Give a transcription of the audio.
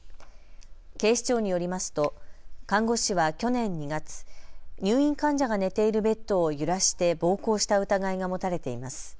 警視庁によりますと看護師は去年２月、入院患者が寝ているベッドを揺らして暴行した疑いが持たれています。